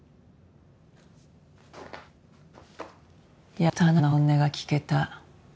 やっとあなたの本音が聞けた。